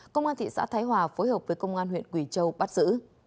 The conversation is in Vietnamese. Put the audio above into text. công an huyện quỳ châu bắt giữ